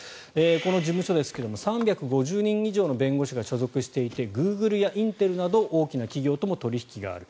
この事務所ですが３５０人以上の弁護士が所属していてグーグルやインテルなど大きな企業とも取引がある。